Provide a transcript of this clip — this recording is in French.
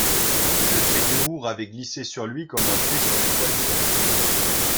Le trait d’humour avait glissé sur lui comme un pet sur une toile cirée.